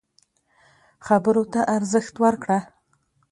خبرو ته ارزښت ورکړه.